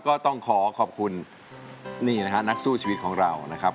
ก็ต้องขอขอบคุณนี่นะฮะนักสู้ชีวิตของเรานะครับ